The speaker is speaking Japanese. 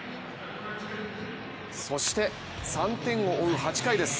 そして３点を追う８回です。